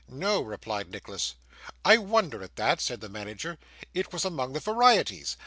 'No,' replied Nicholas. 'I wonder at that,' said the manager. 'It was among the varieties.